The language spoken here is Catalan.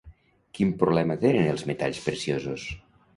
Quin problema tenen els metalls preciosos?